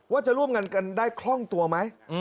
ว่าจะร่วมงานกันได้คล่องตัวไหม